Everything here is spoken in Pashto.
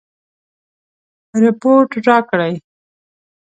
رپوټ راکړي.